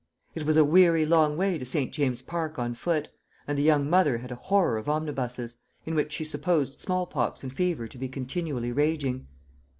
It was a weary long way to St. James's Park on foot; and the young mother had a horror of omnibuses in which she supposed smallpox and fever to be continually raging.